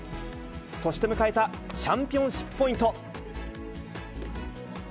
そして、迎えたチャンピオンシップポイント。